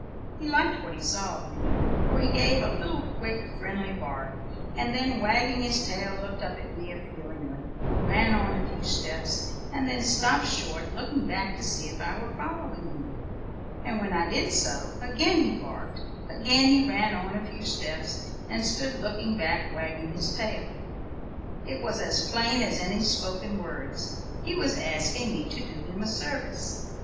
He liked what he saw of me; for he gave a little quick friendly bark, and then, wagging his tail, looked up at me appealingly, ran on a few steps and then stopped short, looking back to see if I were following him, and when I did so, again he barked, again he ran on a few steps, and stood looking back wagging his tail. It was as plain as any spoken words; he was asking me to do him a service.